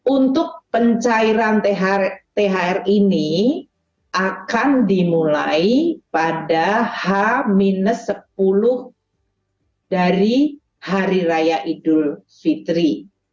untuk pencairan thr ini akan dimulai pada h sepuluh dari hari raya idul fitri